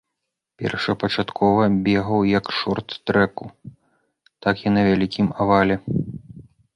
Першапачаткова бегаў як шорт-трэку, так і на вялікім авале.